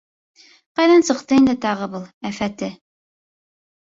— Ҡайҙан сыҡты инде тағы был афәте.